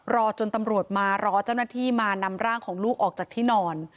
รอจนตำรวจมารอเจ้าหน้าที่มานำร่างของลูกออกจากที่นอน